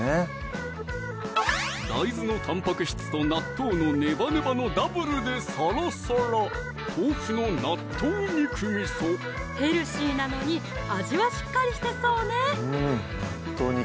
大豆のたんぱく質と納豆のネバネバのダブルでサラサラヘルシーなのに味はしっかりしてそうね